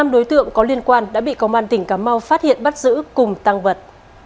năm đối tượng có liên quan đã bị công an tỉnh cà mau phát hiện bắt giữ cùng tăng vật